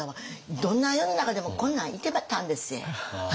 どんな世の中でもこんなんいてたんでっせ。